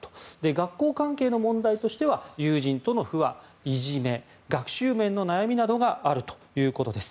学校関係の問題としては友人との不和、いじめ学習面の悩みなどがあるということです。